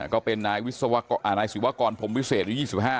ก็เป็นนายวิศวกรอ่านายศิวากรพรมวิเศษอายุยี่สิบห้า